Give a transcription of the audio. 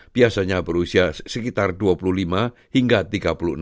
biasanya berusia sekitar dua puluh lima hingga tiga puluh enam